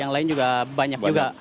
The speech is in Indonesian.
yang lain juga banyak juga